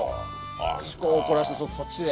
趣向を凝らしてそっちで。